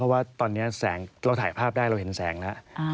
เพราะว่าตอนนี้แสงเราถ่ายภาพได้เราเห็นแสงแล้ว